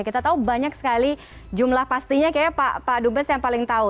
kita tahu banyak sekali jumlah pastinya kayaknya pak dubes yang paling tahu